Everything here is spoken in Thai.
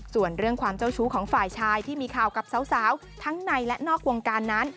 ส่วนเรื่องความเจ้าชู้ของฝ่ายชายที่มีข่าวกับสาวทั้งในและนอกวงการนั้น